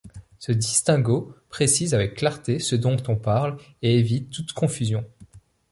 Ce distinguo précise avec clarté ce dont on parle et évite toute confusion.